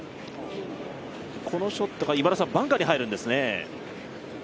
このショットがバンカーに入るんですね。